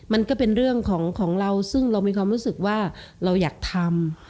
มันก็เป็นเรื่องของเราซึ่งเรามีความรู้สึกว่าเราอยากทำ